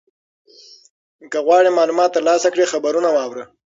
که غواړې معلومات ترلاسه کړې خبرونه واوره.